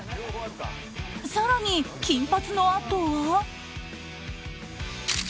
更に、金髪のあとは。